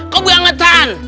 kau buang angkatan